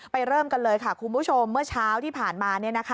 เริ่มกันเลยค่ะคุณผู้ชมเมื่อเช้าที่ผ่านมา